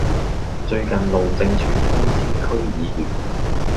最近路政署通知區議員